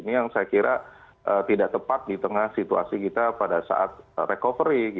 ini yang saya kira tidak tepat di tengah situasi kita pada saat recovery